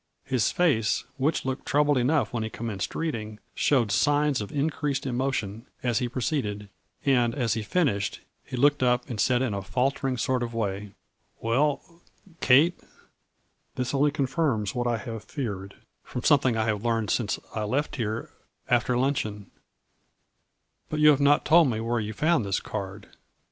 His face, which looked troubled enough when he commenced reading, showed signs of increased emotion as he proceeded, and, as he finished, he looked up and said in a falter ing sort of way :" 'Well, Kate, this only confirms what I have feared, from something I have learned since I left here after luncheon ; but you have not told me where you found this card.